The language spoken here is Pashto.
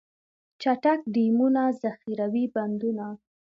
چک ډیمونه، ذخیروي بندونه.